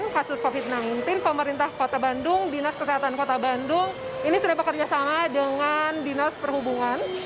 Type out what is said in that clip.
kasus covid sembilan belas pemerintah kota bandung dinas kesehatan kota bandung ini sudah bekerjasama dengan dinas perhubungan